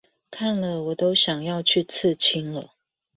看了我都想要去刺青了